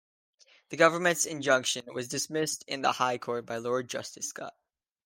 The government's injunction was dismissed in the High Court by Lord Justice Scott.